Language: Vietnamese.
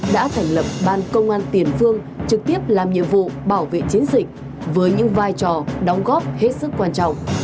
đã thành lập ban công an tiền phương trực tiếp làm nhiệm vụ bảo vệ chiến dịch với những vai trò đóng góp hết sức quan trọng